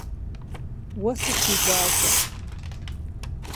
Уэ сыт уи лажьэ?